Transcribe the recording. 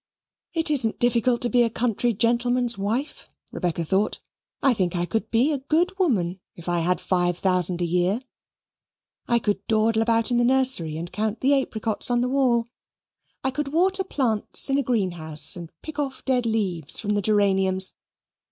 "It isn't difficult to be a country gentleman's wife," Rebecca thought. "I think I could be a good woman if I had five thousand a year. I could dawdle about in the nursery and count the apricots on the wall. I could water plants in a green house and pick off dead leaves from the geraniums.